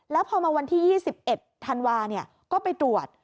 แล้วพอมาวันที่๒๑ธันวาก็ไปตรวจ